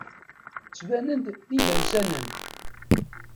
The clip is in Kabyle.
Ttbanen-d d idawsanen.